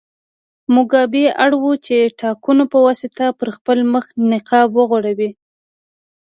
موګابي اړ و چې د ټاکنو په واسطه پر خپل مخ نقاب وغوړوي.